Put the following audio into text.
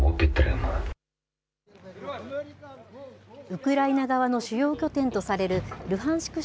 ウクライナ側の主要拠点とされるルハンシク